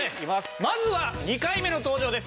まずは２回目の登場です